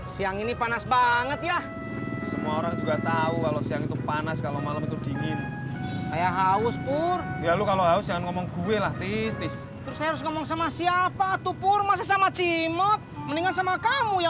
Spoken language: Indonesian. sampai jumpa di video selanjutnya